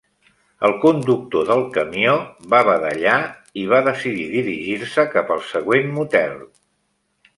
El conductor del camió va badallar i va decidir dirigir-se cap al següent motel.